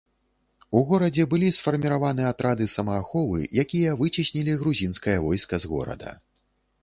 У горадзе былі сфарміраваны атрады самааховы, якія выцеснілі грузінскае войска з горада.